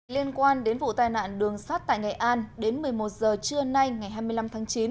liên quan đến vụ tai nạn đường sắt tại nghệ an đến một mươi một giờ trưa nay ngày hai mươi năm tháng chín